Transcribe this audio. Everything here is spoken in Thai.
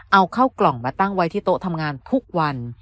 เอาเข้ากล่องมาตั้งไว้ที่โต๊ะทำงานทุกวัน